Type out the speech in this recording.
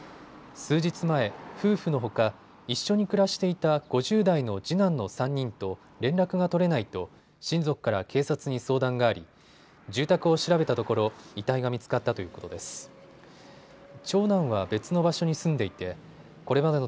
数日前、夫婦のほか一緒に暮らしていた５０代の次男の３人と連絡が取れないと親族から警察に相談があり住宅を調べたところ遺体が見つかったということです。